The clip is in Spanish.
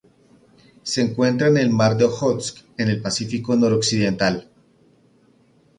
Se encuentra en el Mar de Ojotsk en el Pacífico Noroccidental.